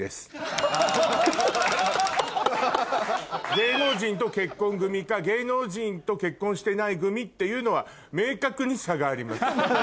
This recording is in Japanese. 芸能人と結婚組か芸能人と結婚してない組っていうのは明確に差があります。